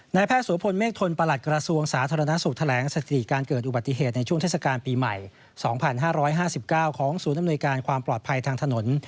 แพทย์สวพลเมฆทนประหลัดกระทรวงสาธารณสุขแถลงสถิติการเกิดอุบัติเหตุในช่วงเทศกาลปีใหม่๒๕๕๙ของศูนย์อำนวยการความปลอดภัยทางถนน